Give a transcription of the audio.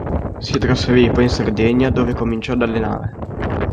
Si trasferì poi in Sardegna, dove cominciò ad allenare.